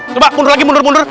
coba mundur lagi mundur mundur